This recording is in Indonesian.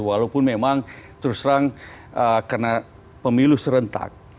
walaupun memang terus terang karena pemilu serentak